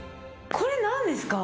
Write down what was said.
これ何ですか。